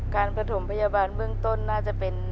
ประถมพยาบาลเบื้องต้นน่าจะเป็น